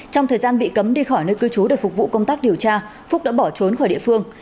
trong thời gian bị cấm đi khỏi nơi cư trú để phục vụ công tác điều tra phúc đã bỏ trốn khỏi địa phương